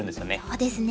そうですね。